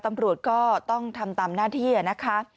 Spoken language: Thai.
ตำรวจก็ต้องทำตามหน้าที่นะคะ